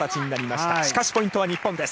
しかし、ポイントは日本です。